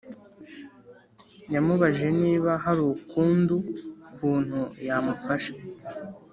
yamubajije niba harukundu kuntu yamufasha